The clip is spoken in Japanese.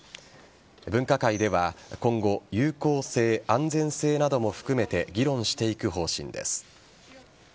分科会では今後有効性、安全性なども含めて議論していく方針です。